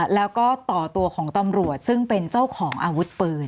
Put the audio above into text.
แล้วก็ต่อตัวของตำรวจซึ่งเป็นเจ้าของอาวุธปืน